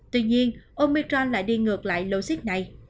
tuy nhiên omicron lại đi ngược lại lô xích này